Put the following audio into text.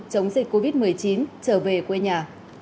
chống dịch covid một mươi chín trở về quê nhà